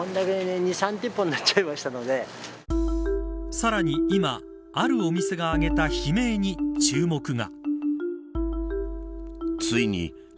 さらに今あるお店が上げた悲鳴に注目が。